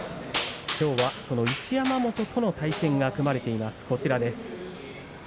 きょうは一山本との対戦が組まれています。